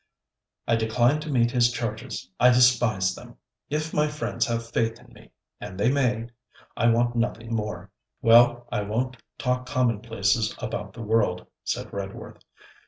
'I decline to meet his charges. I despise them. If my friends have faith in me and they may! I want nothing more.' 'Well, I won't talk commonplaces about the world,' said Redworth.